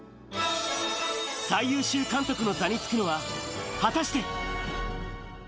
最優秀監督の座に就くのは、果たして。